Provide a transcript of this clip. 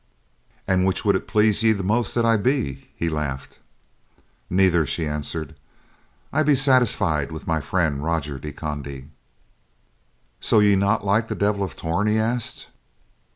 "And which would it please ye most that I be?" he laughed. "Neither," she answered, "I be satisfied with my friend, Roger de Conde." "So ye like not the Devil of Torn?" he asked.